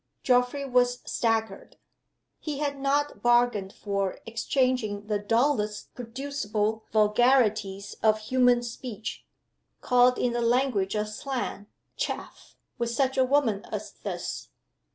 Geoffrey was staggered. He had not bargained for exchanging the dullest producible vulgarities of human speech (called in the language of slang, "Chaff") with such a woman as this.